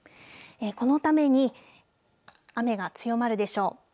このために雨が強まるでしょう。